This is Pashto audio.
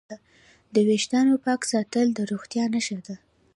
د وېښتانو پاک ساتنه د روغتیا نښه ده.